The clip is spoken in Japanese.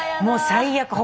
もう最悪。